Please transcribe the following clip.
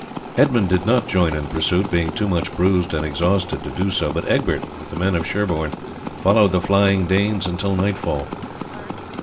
Edmund did not join in the pursuit, being too much bruised and exhausted to do so; but Egbert with the men of Sherborne followed the flying Danes until nightfall.